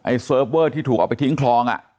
เซิร์ฟเวอร์ที่ถูกเอาไปทิ้งคลองอ่ะ